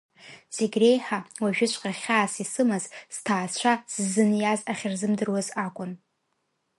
Зегь реиҳа, уажәыҵәҟьа хьаас исымаз, сҭаацәа сзыниаз ахьырзымдыруаз акәын.